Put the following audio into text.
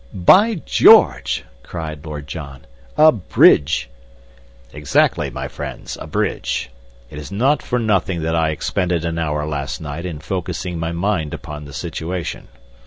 "By George!" cried Lord John, "a bridge!" "Exactly, my friends, a bridge! It is not for nothing that I expended an hour last night in focusing my mind upon the situation.